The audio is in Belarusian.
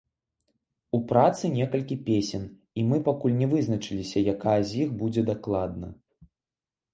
У працы некалькі песень, і мы пакуль не вызначыліся, якая з іх будзе дакладна.